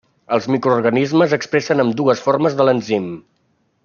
Els microorganismes expressen ambdues formes de l'enzim.